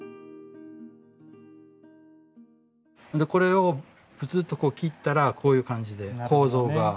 これをプツッとこう切ったらこういう感じで構造が。